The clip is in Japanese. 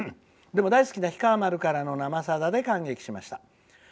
「大好きな「氷川丸」からの「生さだ」で感激しました。